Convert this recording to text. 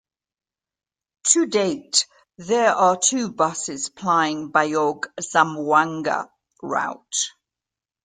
To date, there are two buses plying Bayog-Zamboanga Route.